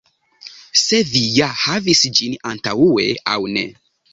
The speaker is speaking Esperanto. Se vi ja havis ĝin antaŭe aŭ ne.